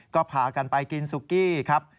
ก็พากันไปกินซุกี้ครับ